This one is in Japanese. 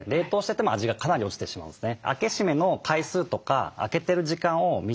冷凍してても味がかなり落ちてしまうんですね。